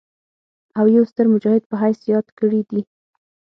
او يو ستر مجاهد پۀ حييث ياد کړي دي